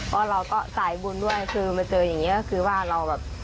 เพราะเราก็สายบุญด้วยคือมาเจออย่างนี้ก็คือว่าเราแบบ